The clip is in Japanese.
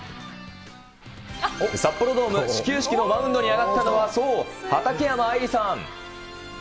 札幌ドーム、始球式のマウンドに上がったのは、そう、畠山愛理さん。